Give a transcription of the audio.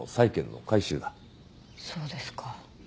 そうですか。